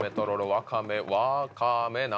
わかめわかめ